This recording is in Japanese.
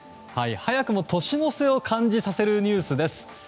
早くも年の瀬を感じさせるニュースです。